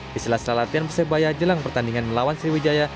di sela sela latihan persebaya jelang pertandingan melawan sriwijaya